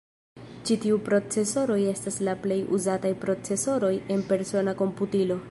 Ĉi tiu procesoroj estas la plej uzataj procesoroj en persona komputilo.